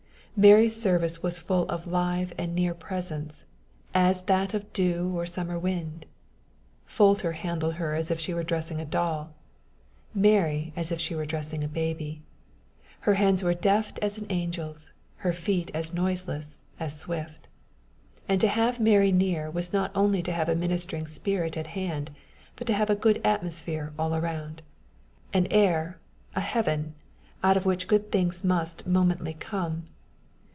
Mary's service was full of live and near presence, as that of dew or summer wind; Folter handled her as if she were dressing a doll, Mary as if she were dressing a baby; her hands were deft as an angel's, her feet as noiseless as swift. And to have Mary near was not only to have a ministering spirit at hand, but to have a good atmosphere all around an air, a heaven, out of which good things must momently come.